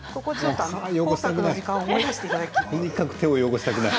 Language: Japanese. とにかく手を汚したくない。